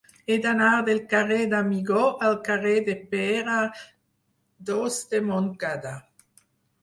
He d'anar del carrer d'Amigó al carrer de Pere II de Montcada.